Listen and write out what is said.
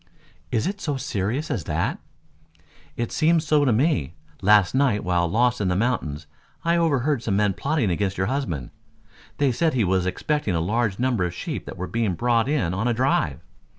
"Is it so serious as that?" "It seems so to me. Last night while lost in the mountains I overheard some men plotting against your husband. They said he was expecting a large number of sheep that were being brought in on a drive."